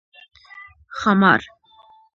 🐉ښامار